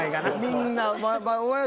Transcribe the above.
みんな。